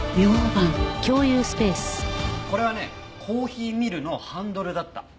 これはねコーヒーミルのハンドルだった。